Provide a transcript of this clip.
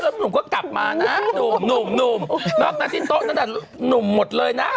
แล้วหนุ่มก็กลับมาน่ะหนุ่มหนุ่มหนุ่มนอกหน้าที่โต๊ะตั้งแต่หนุ่มหมดเลยน่ะ